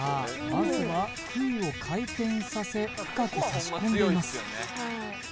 まずは杭を回転させ深くさし込んでいます